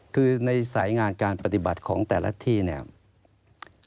คือในสายงานการปฏิบัติของแต่ละที่เนี่ย